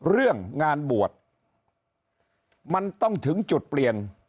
เรื่องงานบวชมันต้องถึงจุดเปลี่ยน